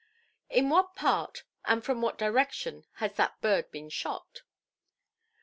"In what part, and from what direction, has that bird been shot"?